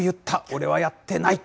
俺はやってない！